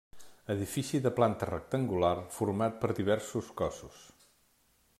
Edifici de planta rectangular format per diversos cossos.